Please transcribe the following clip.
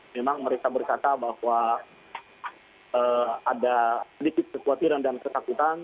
memang mereka berkata bahwa ada sedikit kekhawatiran dan ketakutan